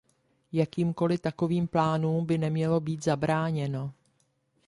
Jakýmkoli takovým plánům by mělo být zabráněno.